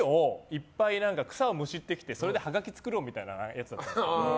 いっぱい草をむしってきてそれで、はがき作ろうみたいなやつだったんです。